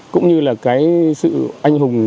cũng như là cái sự ánh hùng